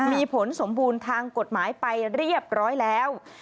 มีผลสมบูรณ์ทางกฎหมายไปเรียบร้อยแล้ว